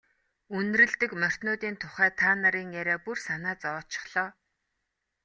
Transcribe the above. Үнэрлэдэг морьтнуудын тухай та нарын яриа бүр санаа зовоочихлоо.